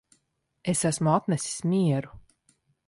Es esmu atnesis mieru